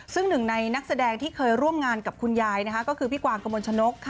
ซึ่งหนึ่งในนักแสดงที่เคยร่วมงานกับคุณยายก็คือพี่กวางกระมวลชนก